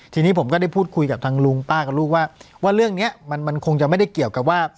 ทีนี้ผมก็ได้พูดคุยกับทางลุงป้ากับลูกว่าว่าเรื่องนี้มันคงจะไม่ได้เกี่ยวกับว่า